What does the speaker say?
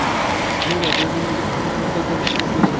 গৃহিণীপদলাভের আনন্দ-আভায় তাহার চক্ষে সমস্তই সুন্দর হইয়া উঠিল।